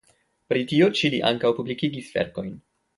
Pri tio ĉi li ankaŭ publikigis verkojn.